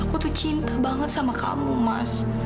aku tuh cinta banget sama kamu mas